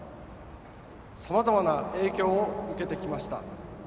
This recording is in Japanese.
さまざまな影響を受けてきました。